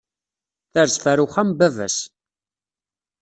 Terzef ɣeṛ wexxam n baba-s.